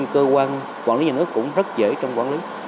cơ quan quản lý nhà nước cũng rất dễ trong quản lý